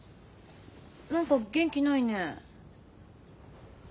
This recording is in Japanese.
何か元気ないね？